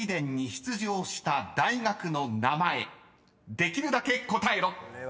［できるだけ答えろ］